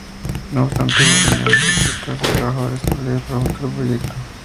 No obstante, hubo reuniones secretas entre trabajadores colegas para el futuro proyecto.